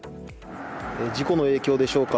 事故の影響でしょうか